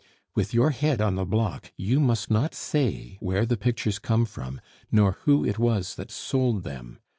With your head on the block, you must not say where the pictures come from, nor who it was that sold them.